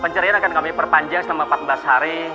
pencarian akan kami perpanjang selama empat belas hari